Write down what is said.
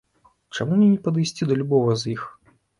Чаму мне не падысці да любога з іх?